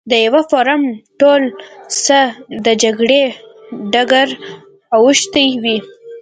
د یوه فورم ټول څه د جګړې ډګر اوښتی وي.